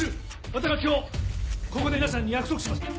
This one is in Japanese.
私は今日ここで皆さんに約束します。